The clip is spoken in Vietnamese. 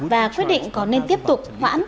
và quyết định có nên tiếp tục khoản